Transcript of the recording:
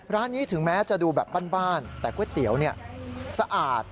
ร้านนี้ถึงแม้จะดูแบบบ้านแต่ก๋วยเตี๋ยวสะอาด